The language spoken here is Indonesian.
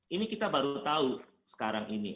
ini kita baru tahu sekarang ini